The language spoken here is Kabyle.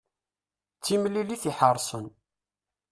D timlilit iḥerṣen.